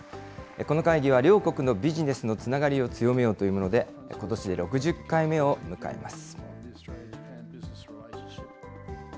この会議は、両国のビジネスのつながりを強めようというもので、ことしで６０回目を迎えます。